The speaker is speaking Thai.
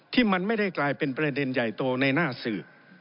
ที่มันไม่ได้กลายเป็นประเด็นใหญ่โตในหน้าสื่อ